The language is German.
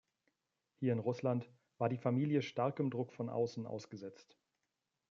Hier in Russland war die Familie starkem Druck von außen ausgesetzt.